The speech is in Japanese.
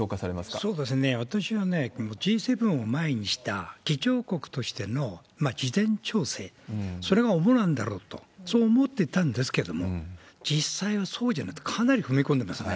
そうですね、私はね、Ｇ７を前にした議長国としての事前調整、それが主なんだろうと、そう思ってたんですけれども、実際はそうじゃなくて、かなり踏み込んでますね。